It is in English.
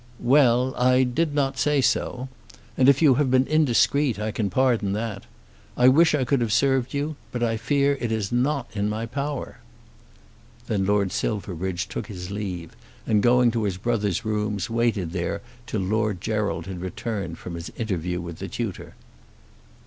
"Well; I did not say so. And if you have been indiscreet I can pardon that. I wish I could have served you; but I fear that it is not in my power." Then Lord Silverbridge took his leave, and going to his brother's rooms waited there till Lord Gerald had returned from his interview with the tutor.